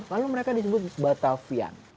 lalu mereka disebut batavian